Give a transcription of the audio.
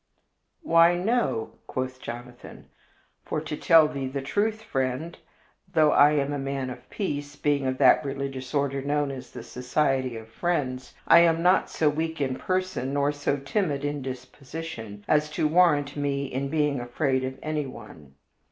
"Why, no," quoth Jonathan; "for to tell thee the truth, friend, though I am a man of peace, being of that religious order known as the Society of Friends, I am not so weak in person nor so timid in disposition as to warrant me in being afraid of anyone.